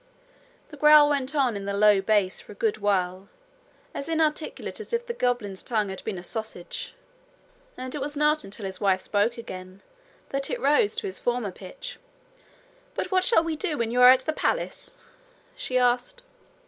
The growl went on in the low bass for a good while, as inarticulate as if the goblin's tongue had been a sausage; and it was not until his wife spoke again that it rose to its former pitch. 'But what shall we do when you are at the palace?' she asked.